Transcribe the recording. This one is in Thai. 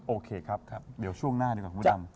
โอเคครับเดี๋ยวช่วงหน้าดีกว่าคุณพระดำ